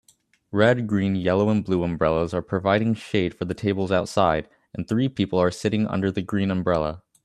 Red green yellow and blue umbrellas are providing shade for the tables outside and three people are sitting under the green umbrella